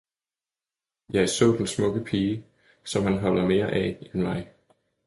Jeg så den smukke pige, som han holder mere af, end mig!